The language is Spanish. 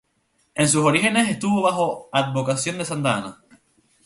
En sus orígenes, estuvo bajo advocación de Santa Ana.